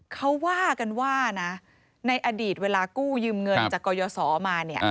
เขาว่ากันว่านะในอดีตเวลากู้ยืมเงินจากกรยศมาเนี่ย